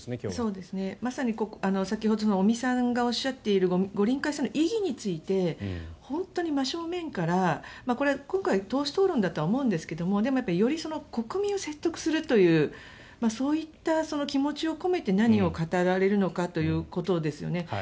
まさに先ほどの尾身さんがおっしゃっている五輪開催の意義について本当に真正面からこれは今回、党首討論だとは思うんですがでも、より国民を説得するというそういった気持ちを込めて何を語られるのかということですね。